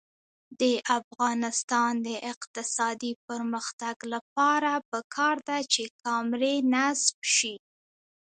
د افغانستان د اقتصادي پرمختګ لپاره پکار ده چې کامرې نصب شي.